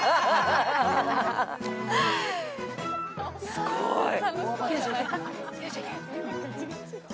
すごーい。